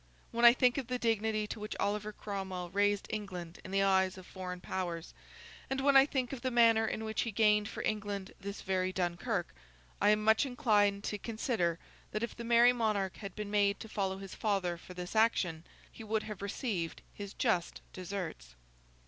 When I think of the dignity to which Oliver Cromwell raised England in the eyes of foreign powers, and when I think of the manner in which he gained for England this very Dunkirk, I am much inclined to consider that if the Merry Monarch had been made to follow his father for this action, he would have received his just deserts.